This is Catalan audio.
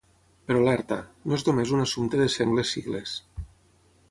Però alerta, no és només un assumpte de sengles sigles.